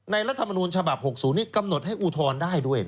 รัฐมนูลฉบับ๖๐นี้กำหนดให้อุทธรณ์ได้ด้วย